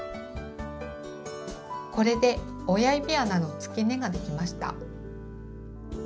これで親指穴のつけ根ができました。